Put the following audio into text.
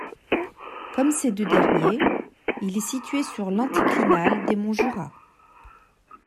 Comme ces deux derniers, il est situé sur l'anticlinal des monts Jura.